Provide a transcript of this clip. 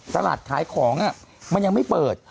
ตลาดขายของมันยังไม่เปิด